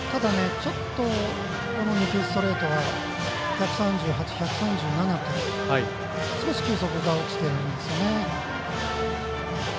ちょっとこの２球のストレート１３８、１３７と少し球速が落ちているんですよね。